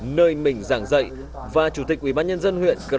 nơi mình giảng dạy và chủ tịch ubnd huyện cron park người đã ký quyết định tuyển dụng họ